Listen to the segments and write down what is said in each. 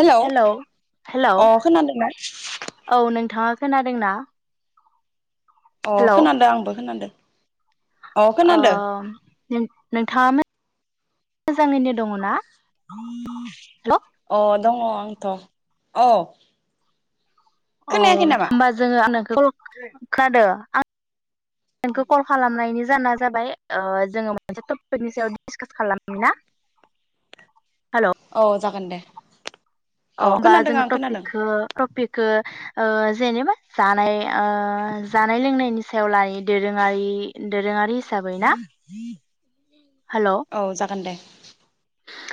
Hello हेल हेल अ खोनादोंना औ नोंथाङा खोनादोंना? अ हेलौ खोनादो आंबो खोनादो ओ नोंथाङा मोजाङैनो दङना? हेल अ दङ आंथ अ अ होमबा जोङो खोनादो आं नोंखौ कल खालामनायनि जाना जाबाय ओ जोङो मोनसे टपिकनि सायाव डिसकास खालामनि ना? हेल औ जागोन दे अ औ होमबा खोनादों जोङो आं खोनादों टपिकखो टपिकखो ओ जेनेबा जानाय ओ जानाय लोंनायनि सायाव लायो दोरोङारि दोरोङारि हिसाबै ना हेलौ औ जागोन दे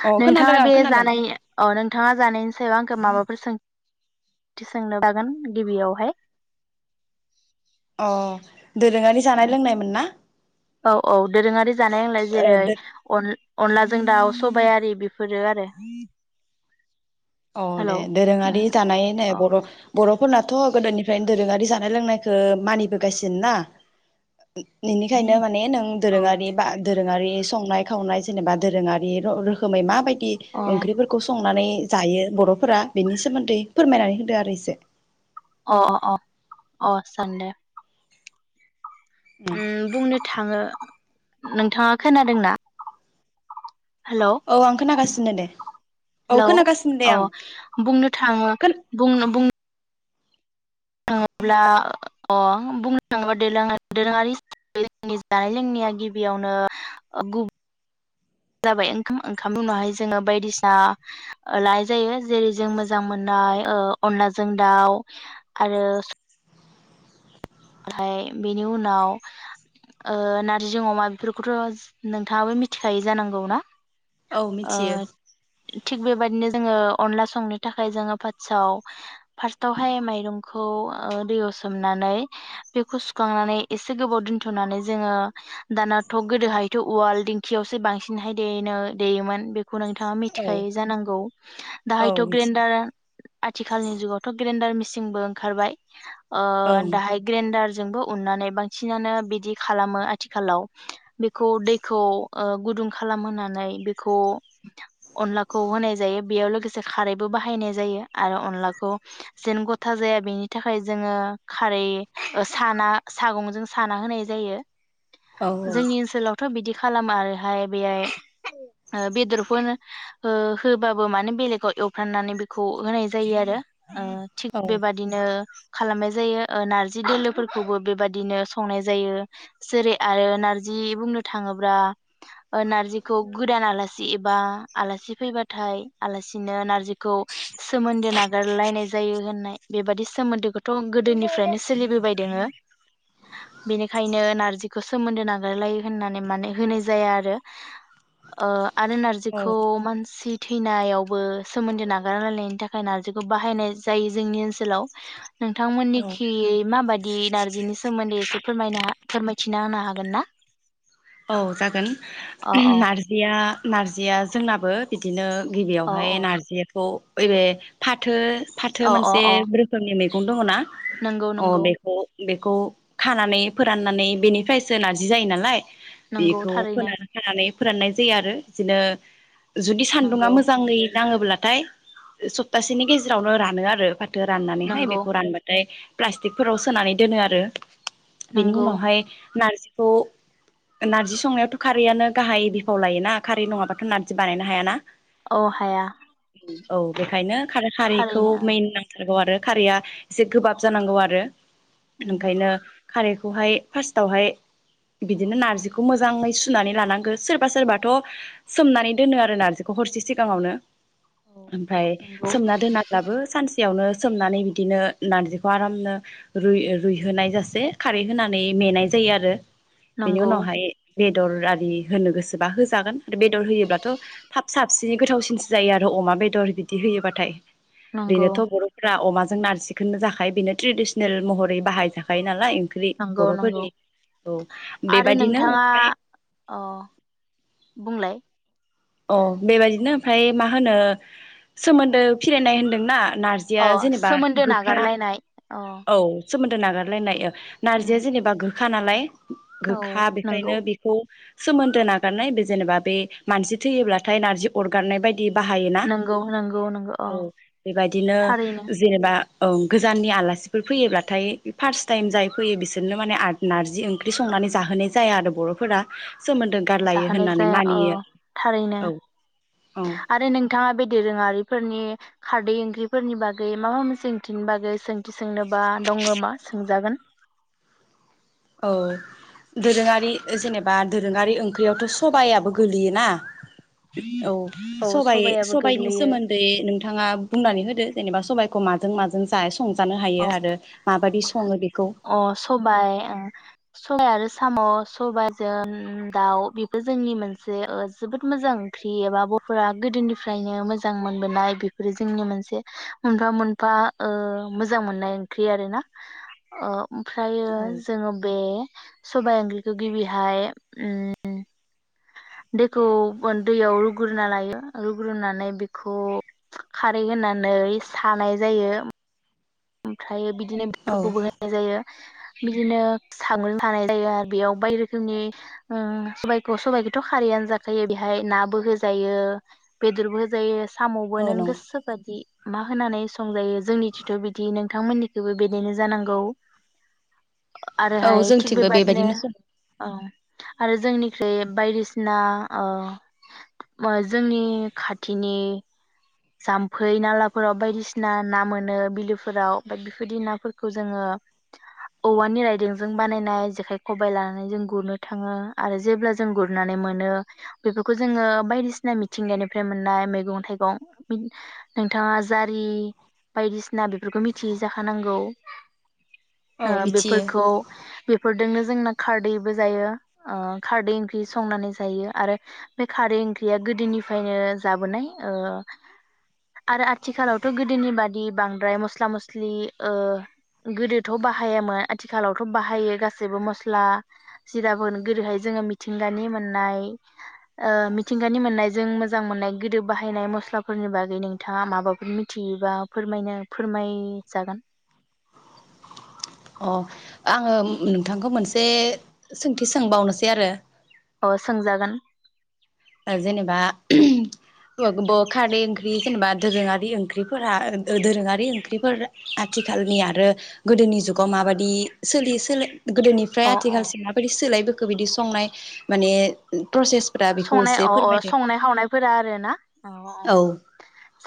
औ खोनादों नोंथाङा आं बे खोनादों जानाय औ नोंथाङा जानायनि सायाव आंखौ माबा फोर सोंथि सोंनो हागोन गिबियावहाय अ दोरोङारि जानाय लोंनायमोन ना औ औ दोरोङारि जानाय नोंलाय ओ जेरै दो अनला अनलाजों दाउ सबायारि बेफोरो आरो औ दे हेलौ दोरोङारि जानाय ने अ बर' बर' फोरनाथ गोदोनिफ्रायनो दोरोङारि जानाय लोंनायखौ मानिबोगासिनो ना बेनिखायनो माने नों औ दोरोङारि बा दोरोङारि संनाय खावनाय जेनेबा दोरोङारि र रोखोमै माबायद दि अ ओंख्रिफोरखौ संनानै जायो बर'फोरा बेनि सोमोन्दै फोरमायनानै होदो आरो इसे अ अ अ अ सानदे ओम बुंनो थाङो नोंथाङा खोनादोंना? हेलौ औ आं खोनागासि नो दे। औ हेलौ खोनागासिनो दे अ आं बुंनो थाङो बुंनो बुं थाङोब्ला अ बुंनो थाङोब्ला देलोङा दोरोङारि जोंनि जानाय लोंनाया गिबियावनो ओ गुब जाबाय ओंखाम ओंखाम उनावहाय जोङो बायदिसिना ओ लानाय जायो जेरै जों मोजां मोननाय अनलाजों दाउ आरो ओलहाय बेनि उनाव ओ नारजि अमा बेफोरखौथ' नोंथाङाबो मिथिखायो जानांगौना? औ ओ मिथियो थिक बेबादिनो जोङो अनला संनो थाखाय जोङो फात्साव फार्स्टावहाय माइरंखौ ओ दैयाव सोमनानै बेखौ सुखांनानै एसे गोबाव दोनथ'नानै जोङो दाना थक गोदोहायथ' उवाल दिंखियावसो बांसिनहाय देयोनो देयोमोन बे खौ नोंथाङा औ मिथिखायो जानांगौ दाहायथ' मिथियो ग्रेनडारा आथिखालनि जुगावथ' ग्रेन्दार मिसि बो ओंखारबाय। ओ ओं दाहाय न्दारजोंबो उननानै बांसिनानो बिदि खालामो आथिखालाव बेखौ दैखौ ओ गुदुं खालामहोनानै बेखौ अनलाखौ होनाय जायो बेयाव लोगोसे खारैबो बाहायनाय जायो आरो अनलाखौ जेन गथा जाया बेनि थाखाय जोङो खारै ओ साना सागंजों साना होनाय जायो। जोंनि औ ओनसोलावथ' बिदि खालामो आरोहाय बेहाय ओ बेदरफोन होबाबो माने बेलेगाव एवफ्राननानै बेखौ होनाय जायो आरो। ओ थिग बेबादिनो खालामनाय जायो ओ नार जि दोलोफोरखौबो बेबदिनो संनाय जायो जेरै आरो नारजि बुंनो थाङोब्ला ओ नारजिखौ गोदान आलासि एबा आलासि फैबाथाय आलासिनो नारजि खौ सोमोन्दो नागारलायनाय जायो होननाय बेबादि सोमोन्दोखौथ' गोदोनिफ्रायनो सोलिबोबाय दङो बेनिखायनो नारजिखौ सोमोन्दो नागारलायो होननानै माने होनाय जाया आरो ओ आरो नारजिखौ औ मानसि थैनायावबो सोमोन्दो नागारलायनायनि थाखाय नारजिखौ बाहायनाय जायो जोंनि ओनसोलाव नोंथांमोननिखि खै माबादि नारजिनि सोमोन्दै एसे फोरमायनो हा फोरमाय थिना होनो हागोन ना? औ जागोन अ अ नारजिया नारजिया जोंनाबो बिदिनो अ गिबियावहाय नारजि अ ओरै फाथो फाथो अ अ मोनसे अ रोखोमनि मैं गं दङ ना? नंगौ अ नंगौ । बेखौ बेखौ खानानै फोराननानै बेनिफ्रायसो नारजि जायो नालाय नंगौ बेखौ थारैनो फोनानै खानानै फोराननाय जायो आरो बिदिनो जुदि सान्दुङा नंगौ मोजाङै नाङोब्ला थाय सप्तासेनि गेजेरावनो रानो आरो फा थोङा राननानैहाय नंगौ बेखौ रानबाथाय प्लास्टिकफोराव सोनानै दोनो आरो बेनि नंगौ उनावहाय नारजि खौ नारजि संनायावथ' खारैआनो गाहाय बिफाव लायोना । खारै नङाबाथ' नारजि बानायनो हायाना? औ हाया औ बेखायनो खार-खारैखौ थारैनो औ मेन नांथार गौ आरो खारैया एसे गोबाब जानांगौ आरो नोंखायनो खारैखौहाय फास्थावहाय बि दिनो नार्जिखौ मोजाङै सुनानै लानांगो सोरबा सोरबाथ' सोमनानै दोनो आरो नार्जिखौ हरसे सिगाङावनो । ओमफ्राय सोमना दोनाब्लाबो सानस सेयावनो सोमनानै बिदिनो नारजिखौ आरामनो रुइ-रुइहोनाय जासे खारै होनानै मेनाय जायो आरो बेनि नंगौ उनावहाय बेदर आरि होनो गोसोबा होजागोन बेदर होयोब्लाथ' थाब साबसिननै गोथावसिनसो जायो आरो अमा बेदर बिदि होयोबाथाय ‌। नंगौ बेनोथ' बर'फोरा अमा जों नारजिखोनो जाखायो बेनो ट्रेडिसनेल महरै बाहाय जा खायो नालाय ओंख्रि नंगौ नंगौ बर'फोरनि औ आरो बेबायदिनो नोंथाङा ओमफ्राय अ बुंलाय अ बेबादिनो ओमफ्राय मा होनो सोमोन्दो फिरायनाय होनदोंना? अ सोमोन्दो नागारलायनाय अ सोमोनदो नागारलायनाय ओ उम नारजिया जेनेबा गो खा नालाय औ गोखा नंगौ बेखायनो बेखौ सोमोन्दो नागारनाय बे जेनेबा बे मानसि थैयोब्लाथाय नारजि अरगारनाय बाय बिदि बाहायोना। नंगौ नंगौ नंगौ अ औ बेबायदिनो थारैनो जेनेबा औ गोजाननि आलासि बेफोर फैयोब्लाथाय फार्स्ट टाइम जाय फैयो बिसोरनो माने नारजि ओंख्रि संनानै जाहोनाय जाया आरो बर'फोरा। सोमोन्दो गारलायो जाहोनाय होननानै जाया औ मानियो थारैनो आरो औ औ आरो नोंथाङा बे दोरोङारिफोरनि खारदै ओंख्रिफोरनि बागै माबा मासे सोंंथिनि बागै सोंथि सोंनोबा दङ मा सोंजागोन। औ दोरोङारि जेनेबा दोरोङारि ओंख्रियावथ' सबायाबो गोलैयोना। औ औ सबाय सबायाबो सबायनि गोग्लैयो सोमोन्दै नोंथाङा बुंनानै होदो जेनेबा सबाइखौ माजों माजों जा संजानो औ हायो आरो माबायदि सङो बेखौ। अ सबाय ओं सबाय आरो साम' सबायजों दाउ बेफोर जोंनि मोनसे ओ जोबोद मोजां ओंख्रि एबा बर'फोरा गोदोनिफ्रायनो मोजां मोनबोनाय बेफोरो जोंनि मोनसे मोनफा मोनफा ओ मोजां मोननाय ओंख्रि आरो ना। ओ ओमफ्रायो औ जोङो बे सबायाय ओंख्रिखौ गिबिहाय उम दैखौ दैयाव रुग्रोनना लायो। रुग्रोनानै बेखौ खारै होनानै सानाय जायो। ओमफ्राय बिदि बिदिनो औ बेरखौबो होनाय जायो। बिदिनो सागं सानाय जायो आरो बेयाव बाय रोखोमनि ओ सबायखौ सबाइखौथ' खारेयावनो जाखायो बेहाय नाबो होजायो बेदरबो होजायो। साम'बो औ नों नंगौ गोसोबादि मा होनानै संजायो जोंनिथिथ' बि दि नोंथांमोननिखौबो बेदिनो जानांगौ। औ आरोहाय थिग जोंथिंबो बेबादिनो बेबायदिनो सङो ओ आरो जोंनिख्रुइ बायदिसिना ओ जोंनि खाथिनि जाम्फै नालाफोराव बायदिसिना ना मोनो बिलोफोराव बाद बेफोरदि नाफोरखौ जोङो औवानि रायदोंजों बानायनाय जेखाइ खबाइ लानानै जों गुरनो थाङो आरो जेब्ला जों गुरनानै मोनो बेफोरखौ जोङो बायदिसिना मिथिंगानिफ्राय मोननाय मैगं थाइगं नोंथाङा जारि बायदिसिना बेफोरखौ मिथियै जाखानांगौ। औ ओ मिथियो बेफोरखौ बेफोर दोंनो जोंना खारदैबो जायो। ओ खारदै ओंख्रि संनानै जायो। आरो बे खारदै ओंख्रिया गोदोनिफ्रायनो जाबोनाय। ओ आरो आथिखालावथ' गोदोनि बादि बांद्राय मस्ला मस्लि ओ गोदोथ' बाहायामोन। आथिखालावथ' बाहायो गासैबो मस्ला जिराफोरोन गोदोहाय जोङो मिथिंगानि मोननाय ओ मिथिंगानि मोननाय जों मोजां मोननाय गोदो बाहायनाय मस्ला फोरनि बागै नोंथाङा माबाफोर मिथियोबा फोरायनो फोरमायजागोन। अ आङो नोंथांखौ मोनसे सोंथि सोंबावनोसै आरो। अ सोंजागोन। ओ जेनेबा [unintelligible] औवाखोबो खारदै ओंख्रि जेनेबा दोरोङारि ओंख्रिफोरा दोरोङारि ओंख्रिफोर आथिखालनि आरो गोदोनि जुगाव माबाददि सोलियो सोलो गोदोनिफ्राय अ अ आथिखालसिम माबायदि सोलायबो खो बिदि संनाय माने प्रसेसफोरा बेखौ संनाय एसे अ अ फोरमायदो संनाय खावनायफोरा आरो ना? अ औ अ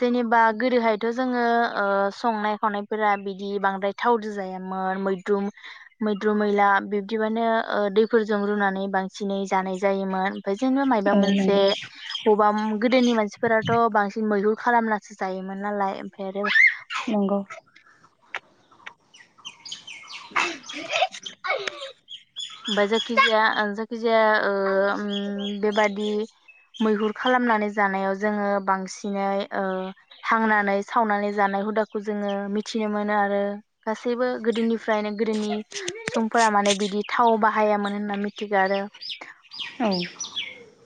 जेनेबा गोदोहायथ' जोङो ओ संनाय खावनायफोरा बिदि बांद्राय थावजों जायामोन मैद्रु मैद्रु मैला बिब्दिबानो ओ दैफोरजों रुनानै बांसिनै जानाय जायोमोन। [unintelligible] मायबा औ मोनसे नंगौ अबाम गोदोनि मानसिफोराथ बांसिन मैहुर खालामनासो जायोमोन नालाय ओमफ्राय आरो नंगौ [inaudible] ओमफाय जाखिजाया जाखिजाया ओ ओम बेबादि मैहुर खालामनानै जानायाव जोङो बांसिनै ओ थांनानै सावनानै जानाय हुदाखौ जोङो मिथिनो मोनो आरो गासैबो गोदोनि फ्राय नो गोदोनि [unintelligible] समफोरा माने बिदि थाव बा हायामोन होनना मिथिगो आरो औ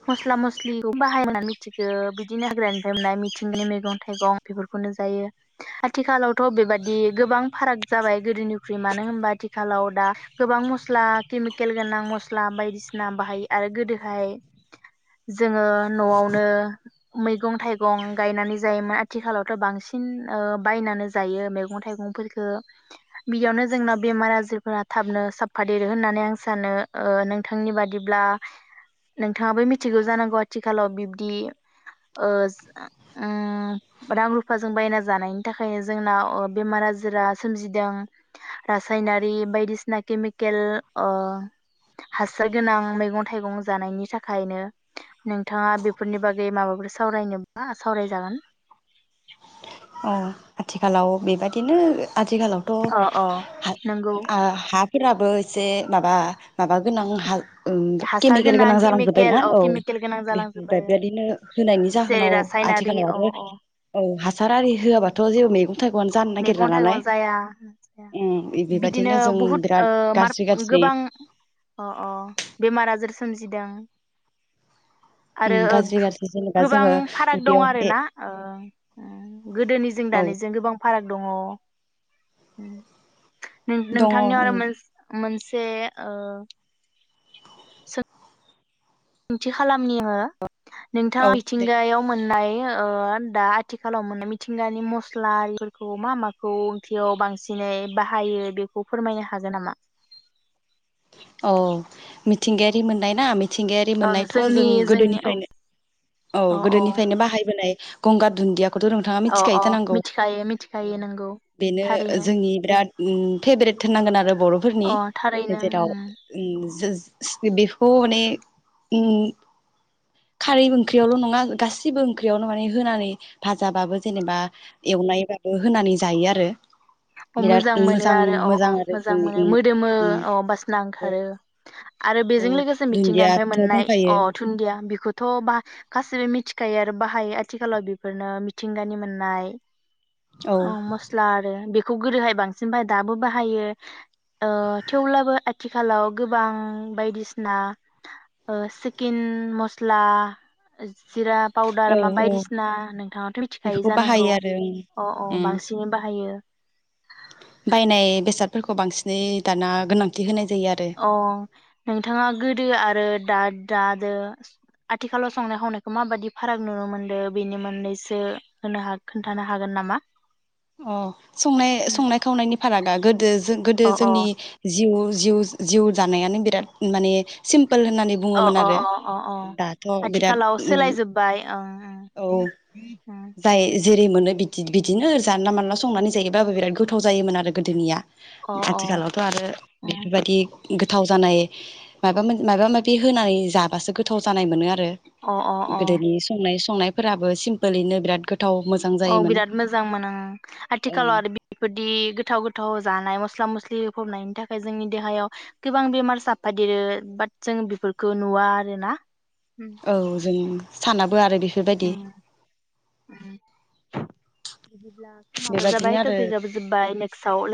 मस्ला मस्लिखौ बाहाया [unintelligible] मिथिगो बिदिनो हाग्रानिफ्राय मोननाय मिथिंगानि मैगं थाइगं बेफोरखौनो जायो आथिखालावथ बेबादि गोबां फाराग जाबाय गोदोनिख्रुइ मानो होनबा आथिखालाव दा गोबां मस्ला केमिकेल गोनां मस्ला बायदिसिना बाहायो आरो गोदोहाय जोङो नओवनो मैगं थाइगं गायनानै जायोमोन आथिखालावथ बांसिन ओ बायनानै जायो मैगं थाइगंफोरखौ बियावनो जोंना बेमार आजारफोरा थाबनो साबफा देरो होननानै आं सानो नोंथांनि बादिब्ला बिथाङाबो मिथिगौ जानांगौ आथिखालाव बिब्दि ओ ओम रां रुफाजों बायना जानायनि थाखायनो जोंनाव बेमार आजारा सोमजिदों रासायनारि बायदिसिना केमिकेल अ हासार गोनां मैगं थाइगं जानायनि थाखाय ओंखायनो नोंथाङा बेफोरनि बागै माबाफोर सावरायनोबा सावरायजागोन अ आथिखालाव बेबादिनो आथिखालावथ अ अ हात नंगौ आ हात फोराबो इसे माबा माबा गोनां हाल ओम हासार केमिकेल गोनां केमिकेल जालांजोबबायना औ केमिकेल गोनां बे जालांजोबो बेबायदिनो होनायनि जेरै जाहोनाव रासायनारि औ आथिखालावबो औ आरो औ हासार आरि होआबाथ जेबो मैगं थाइगंआनो जानो नागिरा मैगं नालाय थाइगं जाया उम बिदिनो बेबायदिनो जों बुहुत बिराद ओ गाज्रि मारक गाज्रि गोबां अ अ बेमार आजार सोमजिदों आरो उम ओं गाज्रि गाज्रि जेनेबा गोबां जोङो फाराग दं उदैयावहाय आरोना ओ ओम गोदोनिजों औ दानिजों गोबां दङ ओम नों दङ नोंथांनियाव आरो उम मोनस मोनस बे ओ ओंथि खालामनि हो औ नोंथाङा दे मिथिंगायाव मोननाय ओ दा आथिखालाव मोननाय मिथिंगानि मस्लाआरिफोरखौ मा माखौ ओंख्रियाव बांसिनै बाहायो बेखौ फोरमायनो हागोन नामा अ मिथिंगायारि मोननाय ना मिथिंगायारि ओं मोननायथ जों जोंनि जोंनि औ गोदोनिफ्रायनो औ गोदोनिफ्रायनो बाहायबोनाय गंगार दुन्दियाखौथ नोंथाङा अ अ मिथिखायो जानांगौ मिथिखायो मिथिखायो नंगौ बेनो थारैनो जोंनि बिराद ओम फेब्रेट होननांगोन आरो बरफोरनि अ थारैनो जेराव उम ओम जोज [unintelligible] बेखौ माने उम खारै ओंख्रियावल नङा गासिबो ओंख्रियावनो माने होनानै भाजाबाबो जेनेबा एवनायबाबो होनानै जायो आरो अ मोजां बिराद मोनो आरो अ अ आरो मोजां जोंनि मोनो उम मोदोमो उम अ बासना आरो ओंखार खारो आरो बेजों उम लोगोसे मिथिंगानिफ्राय दुन्दियाथ' मोननाय दंखायो अ दुन्दिया बि खौथ' बाह गासिबो मिथिखायो आरो बाहायो आथिखालाव बेफोरनो मिथिंगानि मोननाय। औ मस्ला आरो बि खौ गोदोहाय बांसिन बाहाय दाबो बाहायो ओ थेवब्लाबो आथिखालाव गोबां बायदिसिना ओ सिकिन मस्ला जिरा पाउदार औ मा औ बायदिसिना नोंथाङाथ' मिथिखायै बेफोरखौ जानांगौ बाहायो आरो उम अ अ उम बांसिनै बाहायो बायनाय बेसादफोरखौ बांसिनै दाना गोनांथि होनाय जायो आरो अ नोंथाङा गोदो आरो दा दादो आथिखालाव संनाय खावनायखौ माबादि फाराग नुनो मोनदो बेनि मोननैसो होनो हा खोन्थानो हागोन नामा? अ संनाय संनाय खावनायनि फारागा गोदो गोदो अ जोंनि जिउ जिउ जिउ जानायानो बिराद माने सिम अ अ अ अ अ दाथ' बिराद आथिखालाव सोलायजोबबाय अ औ उम उम जाय जेरै मोनो बिदि बिदिनो जानला मानला संनानै जायोबाबो बिराद गोथाव जायोमोन आरो गोदोनिया ओं अ अ आथिखालावथ' आरो उम बेफोरबायदि गोथाव जानाय माबा माबा माबि होनानै जाबासो गोथाव जानाय मोनो आरो अ अ [unintelligible] अ गोदोनि संनाय संनाय फोराबो सिम्पोलैनो बिराद गोथ औ बिराद मोजांमोन ओं आथिखालाव आरो बेफोरदि गोथाव गोथाव जानाय मसला मस्लि होफबनायनि थाखाय जोंनि देहायाव गोबां बेमार साफादेरो बाट जों बेफोरखौ नुवा आरोना उम औ जों साना बो आरो बेफोरबायदि दा माबा बेबादिनो जाबाय आरो टपिकाबो जोब्बाय नेकसाव लो